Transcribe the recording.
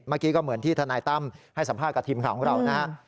เมื่อกี้ก็เหมือนที่ทนายตั้มให้สัมภาษณ์กับทีมข่าวของเรานะฮะ